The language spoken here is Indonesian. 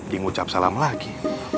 dik ucap salam lagi